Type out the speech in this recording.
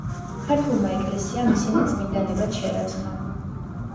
ქართულმა ეკლესიამ ისინი წმინდანებად შერაცხა.